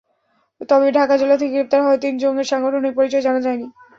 তবে ঢাকা জেলা থেকে গ্রেপ্তার হওয়া তিন জঙ্গির সাংগঠনিক পরিচয় জানা যায়নি।